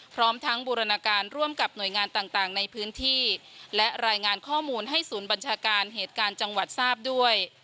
พร้อมทั้งบูรณาการร่วมกับหน่วยงานต่างในพื้นที่และรายงานข้อมูลให้ศูนย์บัญชาการเหตุการณ์จังหวัดทราบด้วย